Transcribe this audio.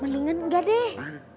mendingan engga deh